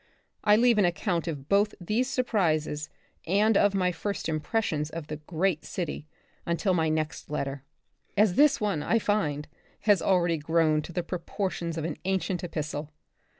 I leave an account of both these sur prises and of my first impressions of the great city until my next letter, as this one, I find, has already grown to the proportions of an ancient epistle.